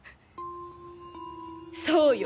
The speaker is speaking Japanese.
そうよ！